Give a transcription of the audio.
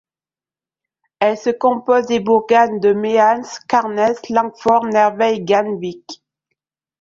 Elle se compose des bourgades de Mehamn, Skjånes, Langfjordnes, Nervei et Gamvik.